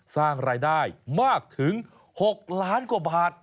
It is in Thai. สร้างรายได้มากถึง๖ล้านกว่าบาท